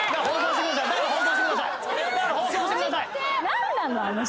何なの？